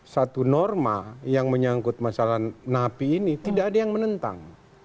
satu norma yang menyangkut masalah napi ini tidak ada yang menentang